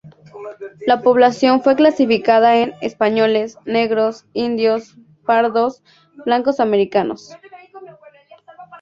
La población fue clasificada en: españoles, negros, indios, pardos, blancos americanos.